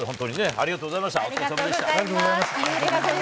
ありがとうございます。